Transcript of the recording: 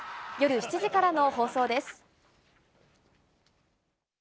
夜７時からの放送です。